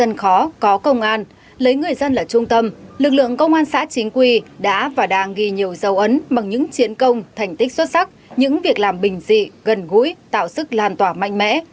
dân khó có công an lấy người dân là trung tâm lực lượng công an xã chính quy đã và đang ghi nhiều dấu ấn bằng những chiến công thành tích xuất sắc những việc làm bình dị gần gũi tạo sức lan tỏa mạnh mẽ